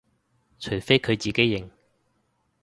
除非佢自己認